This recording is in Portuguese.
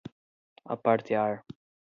apartear